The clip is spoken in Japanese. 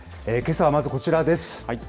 けさは、まずこちらです。